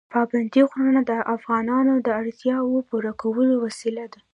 پابندي غرونه د افغانانو د اړتیاوو پوره کولو وسیله ده.